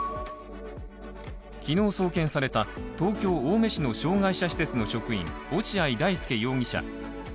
昨日送検された東京・青梅市の障害者施設の職員、落合大丞容疑者。